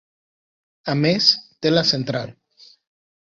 A més, té la central.